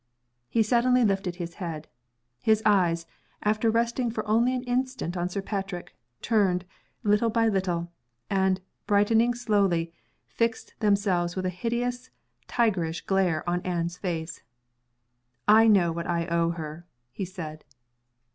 He suddenly lifted his head. His eyes, after resting for an instant only on Sir Patrick, turned, little by little; and, brightening slowly, fixed themselves with a hideous, tigerish glare on Anne's face. "I know what I owe her," he said.